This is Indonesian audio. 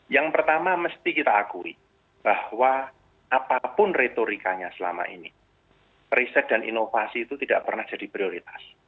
yang pertama mesti kita akui bahwa apapun retorikanya selama ini riset dan inovasi itu tidak pernah jadi prioritas